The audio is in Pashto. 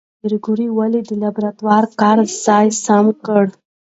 پېیر کوري ولې د لابراتوار کار ځای سم کړ؟